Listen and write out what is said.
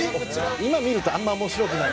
今見るとあんま面白くない。